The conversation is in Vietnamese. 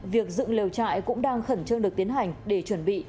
việc dựng lều trại cũng đang khẩn trương được tiến hành để chuẩn bị